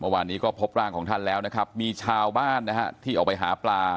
เมื่อวานนี้ก็พบร่างของท่านแล้วนะครับมีชาวบ้านนะฮะที่ออกไปหาปลา